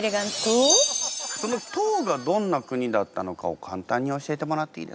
その唐がどんな国だったのかを簡単に教えてもらっていいですか？